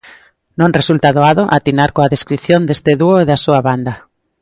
Non resulta doado atinar coa descrición deste dúo e da súa banda.